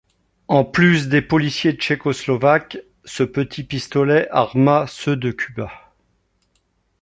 En plus des policiers tchécoslovaques, ce petit pistolet arma ceux de Cuba.